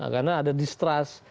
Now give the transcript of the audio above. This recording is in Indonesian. karena ada distrust